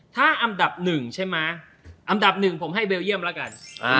ถ้าอันดับหนึ่งใช่ไหมอันดับหนึ่งผมให้เบลเยี่ยมแล้วกัน